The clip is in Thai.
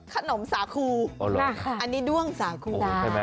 ขนมสาครูอันนี้ด้วงสาครู